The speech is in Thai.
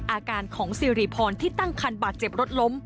อาการของสิริพรที่ตั้งคันบาดเจ็บรถล้ม